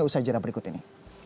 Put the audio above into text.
usai jenak berikut ini